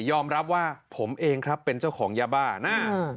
ยอมรับว่าผมเองครับเป็นเจ้าของยาบ้านะ